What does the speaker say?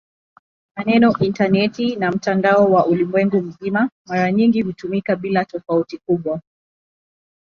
Maneno "intaneti" na "mtandao wa ulimwengu mzima" mara nyingi hutumika bila tofauti kubwa.